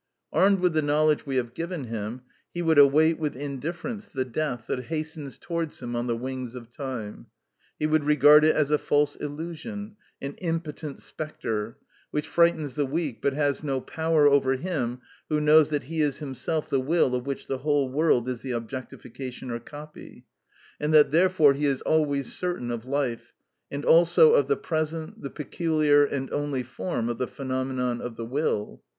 Armed with the knowledge we have given him, he would await with indifference the death that hastens towards him on the wings of time. He would regard it as a false illusion, an impotent spectre, which frightens the weak but has no power over him who knows that he is himself the will of which the whole world is the objectification or copy, and that therefore he is always certain of life, and also of the present, the peculiar and only form of the phenomenon of the will.